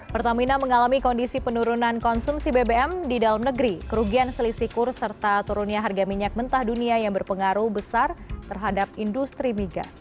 pertamina mengalami kondisi penurunan konsumsi bbm di dalam negeri kerugian selisih kurs serta turunnya harga minyak mentah dunia yang berpengaruh besar terhadap industri migas